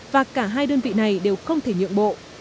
và cả hai đơn vị này đều không thể nhượng bộ